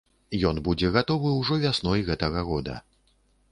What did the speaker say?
Ён будзе гатовы ўжо вясной гэтага года.